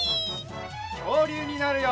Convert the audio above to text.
きょうりゅうになるよ！